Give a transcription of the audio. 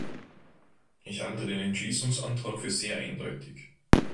Ich halte den Entschließungsantrag für sehr eindeutig.